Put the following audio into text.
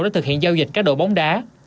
để thực hiện giao dịch cá độ bóng đá